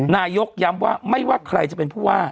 นายกย้ำว่าไม่ว่าใครจะเป็นผู้ว่า